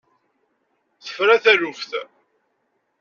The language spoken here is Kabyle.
Tefra taluft!